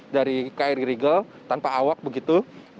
dari kri rigel tanpa awak begitu